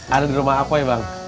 ada di rumah apa ya bang